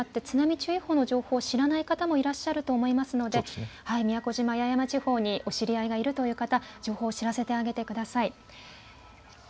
津波注意報の情報を知らない方もいらっしゃると思うので宮古島・八重山地方に知り合いがいるという方情報を知らせてあげてください。